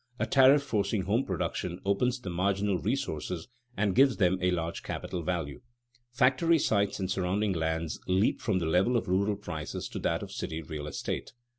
A tariff forcing home production opens the marginal resources and gives them a large capital value. Factory sites and surrounding lands leap from the level of rural prices to that of city real estate.